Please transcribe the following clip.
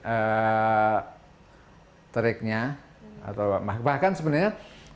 bahkan sebenarnya kalau kita amati pukul dua belas siang itu malah tidak seterik pukul dua kan